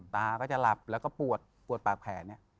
ตาก็จะหลับแล้วก็ปวดปวดปากแผลเนี่ย